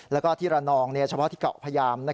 แล้วก็ที่ระนองเฉพาะที่เกาะพยาม